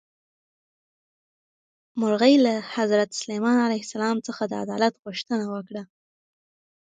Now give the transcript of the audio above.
مرغۍ له حضرت سلیمان علیه السلام څخه د عدالت غوښتنه وکړه.